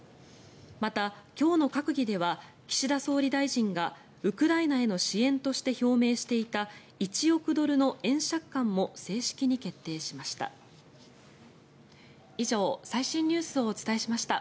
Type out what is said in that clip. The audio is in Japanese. また、今日の閣議では岸田総理大臣がウクライナへの支援として表明していた１億ドルの円借款も正式に決定しました。